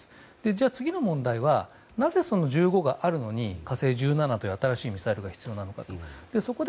じゃあ次の問題はなぜその「１５」があるのに「火星１７」という新しいミサイルが必要なのか。